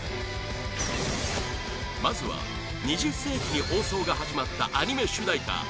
まずは２０世紀に放送が始まったアニメ主題歌！